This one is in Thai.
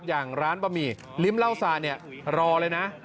อย่างร้านบะหมี่ลิ้มเล่าสาเนี่ยรอเลยนะ